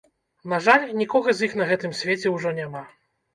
На жаль, нікога з іх на гэтым свеце ўжо няма.